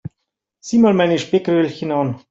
Sieh mal meine Speckröllchen an.